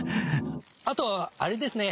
あとあれですね。